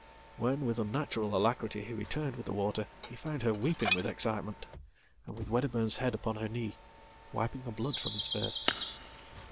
When, with unnatural alacrity, he returned with the water, he found her weepingwith excitement, and with Wedderburn's head upon her knee, wiping theblood from his face."